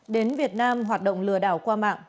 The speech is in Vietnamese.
đến việt nam hoạt động lừa đảo qua mạng